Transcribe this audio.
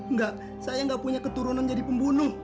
nggak saya nggak punya keturunan jadi pembunuh